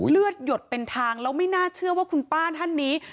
หยดเป็นทางแล้วไม่น่าเชื่อว่าคุณป้าท่านนี้